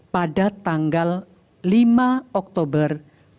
pada tanggal lima oktober dua ribu dua puluh